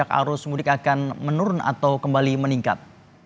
arus mudik akan menurun atau kembali meningkat